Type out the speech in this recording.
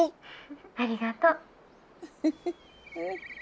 ☎ありがとう。